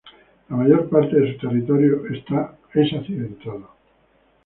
La mayor parte de su territorio es accidentado.